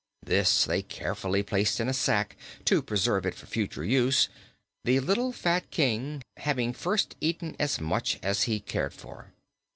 This they carefully placed in a sack to preserve it for future use, the little fat King having first eaten as much as he cared for.